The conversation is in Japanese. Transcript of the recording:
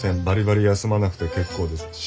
バリバリ休まなくて結構です。